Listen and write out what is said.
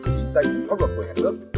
trí danh khóa luật của nhà nước